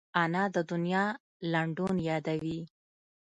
انا د دنیا لنډون یادوي